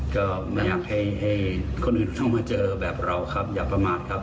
ก็ไม่อยากให้คนอื่นเข้ามาเจอแบบเราครับอย่าประมาทครับ